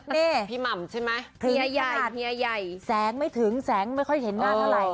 นี่พี่ม่ำใช่ไหมพี่แดดแสงไม่ถึงแสงไม่ค่อยเห็นหน้าเท่าไหร่